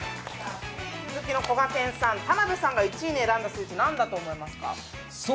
こがけんさん、田辺さんが選んだスイーツ何だと思いますか？